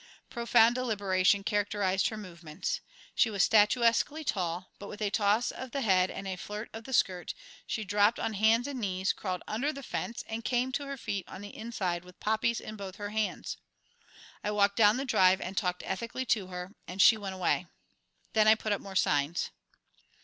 Profound deliberation characterized her movements. She was statuesquely tall, but with a toss of the head and a flirt of the skirt she dropped on hands and knees, crawled under the fence, and came to her feet on the inside with poppies in both her hands. I walked down the drive and talked ethically to her, and she went away. Then I put up more signs.